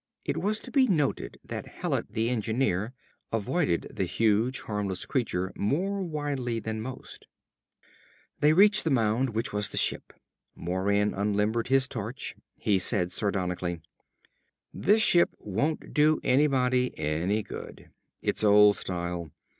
It was to be noted that Hallet the engineer, avoided the huge harmless creature more widely than most. They reached the mound which was the ship. Moran unlimbered his torch. He said sardonically; "This ship won't do anybody any good. It's old style.